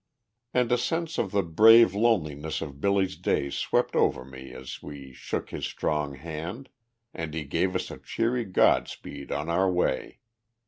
And a sense of the brave loneliness of Billy's days swept over me as we shook his strong hand, and he gave us a cheery godspeed on our way.